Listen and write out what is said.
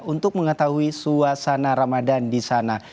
untuk mengetahui suasana ramadan di sana